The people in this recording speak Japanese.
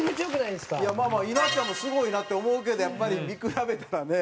いやまあまあ稲ちゃんもすごいなって思うけどやっぱり見比べたらね。